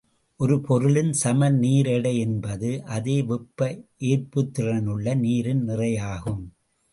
ஒரு பொருளின் சமநீர் எடை என்பது அதே வெப்ப ஏற்புத்திறனுள்ள நீரின் நிறையாகும்.